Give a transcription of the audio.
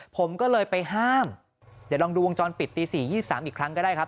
ผมก็เลยไปห้ามเดี๋ยวลองดูวงจรปิดตี๔๒๓อีกครั้งก็ได้ครับ